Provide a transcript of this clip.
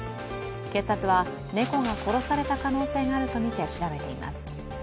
警察は猫が殺された可能性があるとみて調べています。